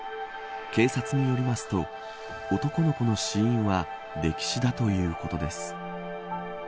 警察によりますと男の子の死因は溺死だということです。